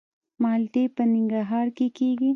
مالټې په ننګرهار کې کیږي